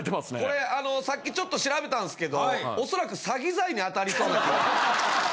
これあのさっきちょっと調べたんですけど恐らく詐欺罪にあたりそうな気が。